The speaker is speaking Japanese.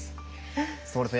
そうですね